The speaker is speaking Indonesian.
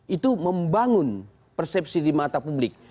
itu membangun persepsi di mata publik